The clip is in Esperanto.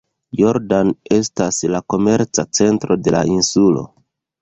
Jordan estas la komerca centro de la insulo.